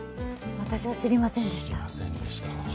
私は知りませんでした。